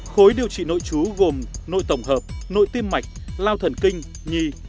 khối điều trị nội trú gồm nội tổng hợp nội tiêm mạch lao thần kinh nhì